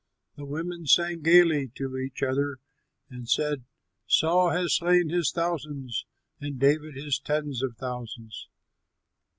The women sang gaily to each other and said, "Saul has slain his thousands, And David his tens of thousands."